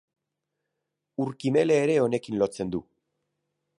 Urkimele ere honekin lotzen du.